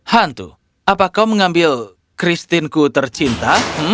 hantu apakah kau mengambil christine ku tercinta